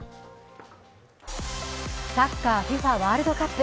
サッカーＦＩＦＡワールドカップ。